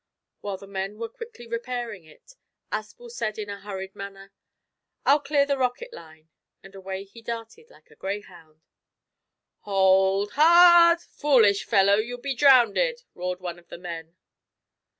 While the men were quickly repairing it Aspel said in a hurried manner: "I'll clear the rocket line," and away he darted like a greyhound. "Hold ha a rd! foolish fellow, you'll be drownded," roared one of the men.